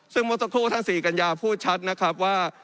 ซึ่งมุฒิภูมิทางสี่กัญญาพูดชัดนะครับว่า